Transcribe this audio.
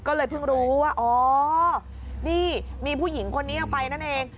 ก็เลยเพิ่งรู้ว่าอ๋อนี่มีผู้หญิงคนนี้ออกไปนั่นเอง